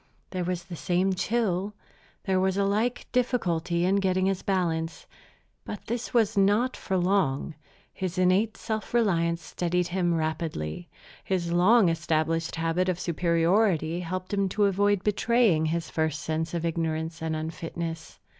There was the same chill, there was a like difficulty in getting his balance. But this was not for long. His innate self reliance steadied him rapidly. His long established habit of superiority helped him to avoid betraying his first sense of ignorance and unfitness.